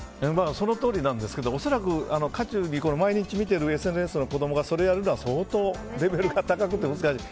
そのとおりなんですが恐らく毎日見ているＳＮＳの子供には相当レベルが高くて難しい。